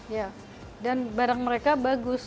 ya dan barang mereka bagus